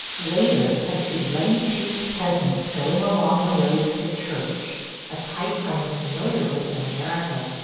Later I see ruddy cheeked peasants going along the roads to church – a type I am familiar with in America.